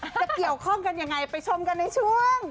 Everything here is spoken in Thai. จะเกี่ยวข้องกันยังไงไปชมกันในช่วง